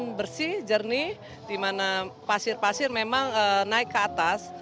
dan bersih jernih dimana pasir pasir memang naik ke atas